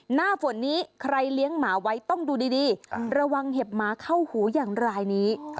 หน้าฝนนี้ใครเลี้ยงหมาไว้ต้องดูดีระวังเห็บหมาเข้าหูอย่างไรนี้